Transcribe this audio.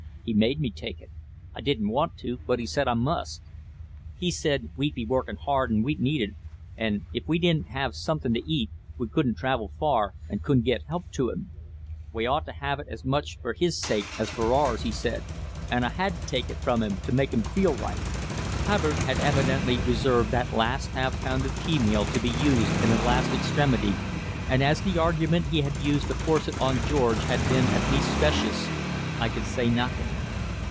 "He made me take it. I didn't want to, but he said I must. He said we'd be workin' hard, and we'd need it, and if we didn't have somethin' to eat, we couldn't travel far and couldn't get help to him. We ought to have it as much for his sake as for ours, he said, and I had to take it from him to make him feel right." Hubbard had evidently reserved that last half pound of pea meal to be used in a last extremity, and as the argument he had used to force it on George had been at least specious, I could say nothing.